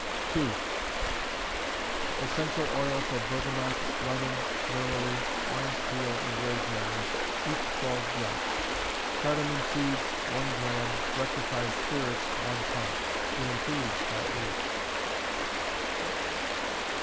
2. Essential oils of bergamot, lemon, neroli, orange peel and rosemary, each twelve drops; cardamon seeds, one drachm, rectified spirits, one pint. It improves by age.